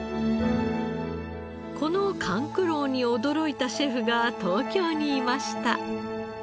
この甘久郎に驚いたシェフが東京にいました。